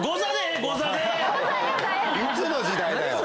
いつの時代だよ！